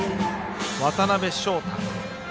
渡邊翔太。